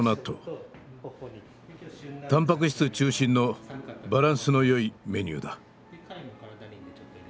タンパク質中心のバランスのよいメニューだ。